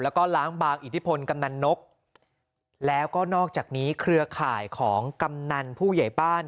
แล้วก็ล้างบางอิทธิพลกำนันนกแล้วก็นอกจากนี้เครือข่ายของกำนันผู้ใหญ่บ้าน